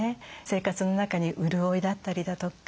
生活の中に潤いだったりだとか